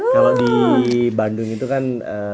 kalau di bandung itu kan